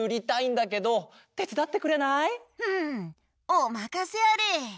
おまかせあれ！